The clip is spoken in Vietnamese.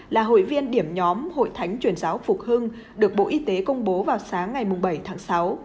là hội viên điểm nhóm hội thánh chuyển giáo phục hưng được bộ y tế công bố vào sáng ngày bảy tháng sáu